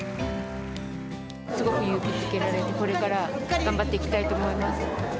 すごく勇気づけられて、これから頑張っていきたいと思います。